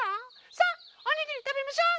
さあおにぎりたべましょう！